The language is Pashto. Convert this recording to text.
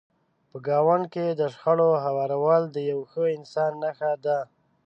په ګاونډ کې د شخړو هوارول د یو ښه انسان نښه ده.